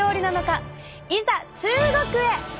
いざ中国へ！